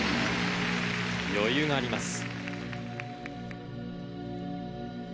余裕があります。